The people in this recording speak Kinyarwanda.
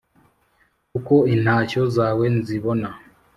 Kuko intashyo zawe nzibona